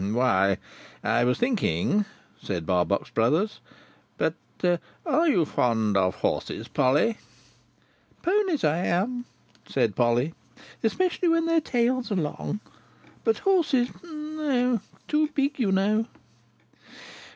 "Why, I was thinking," said Barbox Brothers, "—but are you fond of horses, Polly?" "Ponies, I am," said Polly, "especially when their tails are long. But horses—n—no—too big, you know."